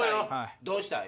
どうしたい？